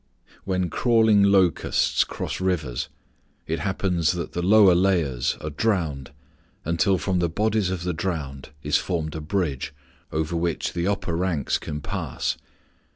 When crawling locusts cross rivers, it happens that the lower layers are drowned until from the bodies of the drowned is formed a bridge over which the upper ranks can pass.